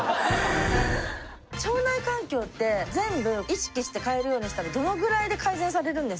腸内環境って全部意識して変えるようにしたらどのぐらいで改善されるんですか？